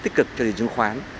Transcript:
tích cực cho thị trường khoán